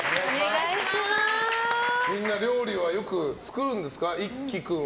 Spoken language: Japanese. みんな料理はよく作るんですか。